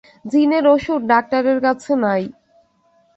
জিনের ওষুধ ডাক্তারের কাছে নাই।